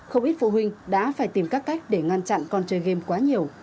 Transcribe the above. không ít phụ huynh đã phải tìm các cách để ngăn chặn con chơi game quá nhiều